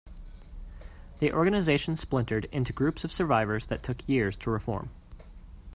The organization splintered into groups of survivors that took years to reform.